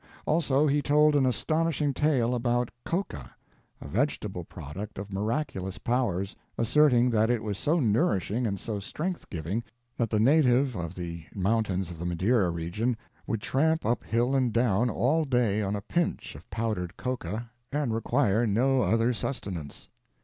Also, he told an astonishing tale about COCA, a vegetable product of miraculous powers, asserting that it was so nourishing and so strength giving that the native of the mountains of the Madeira region would tramp up hill and down all day on a pinch of powdered coca and require no other sustenance.